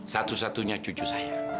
satu satunya cucu saya